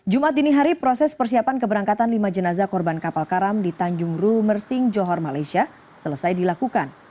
jumat dini hari proses persiapan keberangkatan lima jenazah korban kapal karam di tanjung ru mersing johor malaysia selesai dilakukan